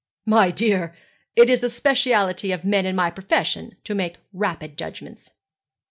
'My dear, it is the speciality of men in my profession to make rapid judgments.'